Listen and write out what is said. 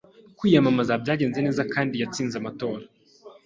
Kwiyamamaza byagenze neza kandi yatsinze amatora